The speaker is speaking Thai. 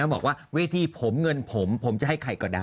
บอกว่าเวทีผมเงินผมผมจะให้ใครก็ได้